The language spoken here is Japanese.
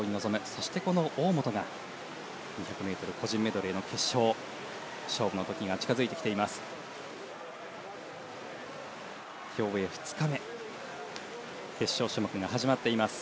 そして、この大本が２００ｍ個人メドレーの決勝勝負の時が近付いてきています。